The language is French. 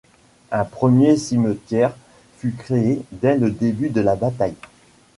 Un premier cimetière fut créé dès le début de la bataille.